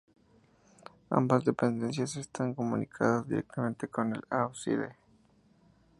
Ambas dependencias están comunicadas directamente con el ábside.